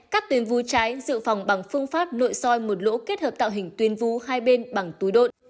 các tuyến vú trái dự phòng bằng phương pháp nội soi một lỗ kết hợp tạo hình tuyến vú hai bên bằng túi đội